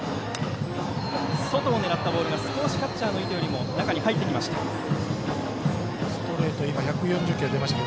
外を狙ったボールがキャッチャーの意図より、少し中に入ってきました。